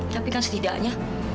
tapi kan setidaknya